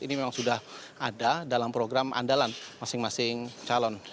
ini memang sudah ada dalam program andalan masing masing calon